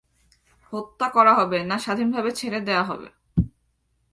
হত্যা করা হবে, না স্বাধীনভাবে ছেড়ে দেয়া হবে?